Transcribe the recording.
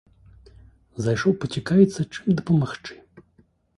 Зайшоў пацікавіцца чым дапамагчы.